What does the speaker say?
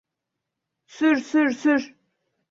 Sür, sür, sür!